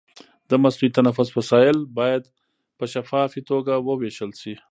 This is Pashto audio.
د مصنوعي تنفس وسایل باید په شفافي توګه وویشل شي.